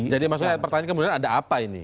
jadi maksudnya pertanyaan kemudian ada apa ini